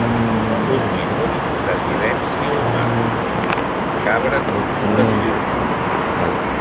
Un minut de silenci humà, macabra connotació.